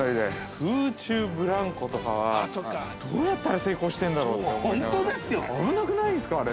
空中ブランコとかは、どうやったら成功してんだろうと危なくないですか、あれ。